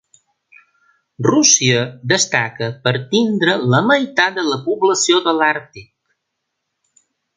Rússia destaca per tindre la meitat de la població de l'àrtic.